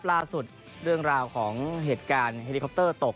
เรื่องราวของเหตุการณ์เฮลิคอปเตอร์ตก